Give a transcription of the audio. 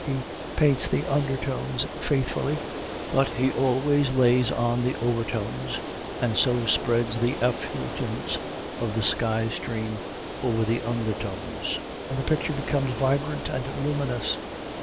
He paints the undertones faithfully, but he always lays on the overtones, and so spreads the effulgence of the sky stream over the undertones, and the picture becomes vibrant and luminous.